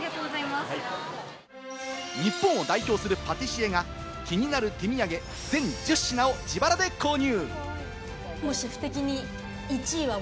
日本を代表するパティシエが、気になる手土産、全１０品を自腹で購入。